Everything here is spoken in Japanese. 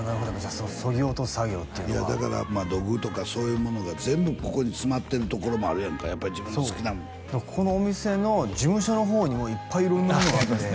そのそぎ落とす作業というのはいやだから土偶とかそういうものが全部ここに詰まってるところもあるやんかやっぱ自分の好きなここのお店の事務所の方にもいっぱい色んなものがあってありますね